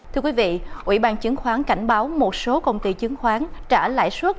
thưa quý vị ủy ban chứng khoán cảnh báo một số công ty chứng khoán trả lãi suất